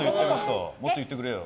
もっと言ってくれよ。